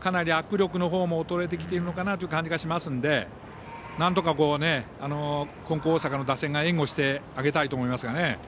かなり、握力のほうも衰えてきているのかなと思いますのでなんとか、金光大阪の打線が援護してあげたいと思いますがね。